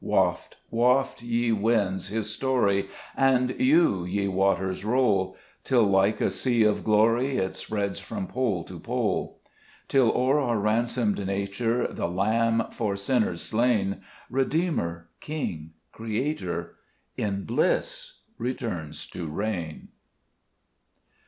4 Waft, waft, ye winds, His story, And you, ye waters, roll, Till like a sea of glory It spreads from pole to pole ; Till o'er our ransomed nature The Lamb for sinners slain, Redeemer, King, Creator, In bliss returns to rei^n.